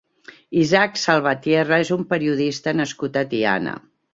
Isaac Salvatierra és un periodista nascut a Tiana.